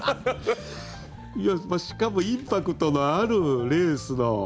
しかもインパクトのあるレースのマスク。